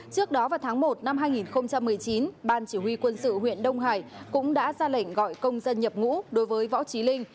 trước đó vào tháng một năm hai nghìn một mươi chín ban chỉ huy quân sự huyện đông hải cũng đã ra lệnh gọi công dân nhập ngũ đối với võ trí linh